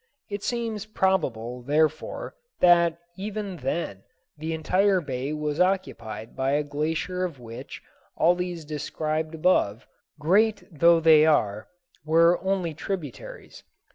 It seems probable, therefore, that even then the entire bay was occupied by a glacier of which all those described above, great though they are, were only tributaries.